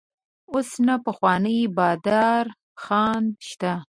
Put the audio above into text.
اوس نه پخوانی بادر خان شته.